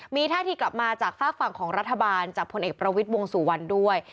มีท่าทีกลับมาจากฝากฝั่งของรัฐบาลจากพลเอกประวิทย์วงสุวรรณด้วย